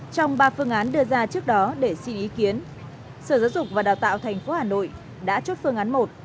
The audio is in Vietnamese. trong ba phương án đưa ra trước đó để xin ý kiến sở giáo dục và đào tạo tp hà nội đã chốt phương án một